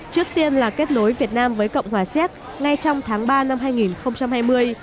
trước tiên là kết nối việt nam với cộng hòa xéc ngay trong tháng ba năm hai nghìn hai mươi